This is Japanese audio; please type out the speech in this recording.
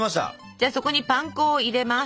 じゃあそこにパン粉を入れます。